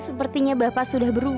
sepertinya bapak sudah berubah